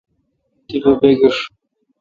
تیپہ بگیݭ ۔